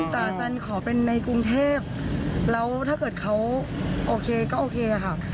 แต่อาจารย์ขอเป็นในกรุงเทพแล้วถ้าเกิดเขาโอเคก็โอเคค่ะ